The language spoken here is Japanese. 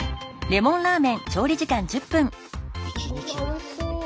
うわおいしそう。